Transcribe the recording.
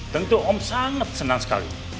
tentu om sangat senang sekali